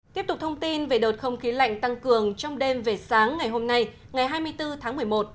tiếp tục thông tin về đợt không khí lạnh tăng cường trong đêm về sáng ngày hôm nay ngày hai mươi bốn tháng một mươi một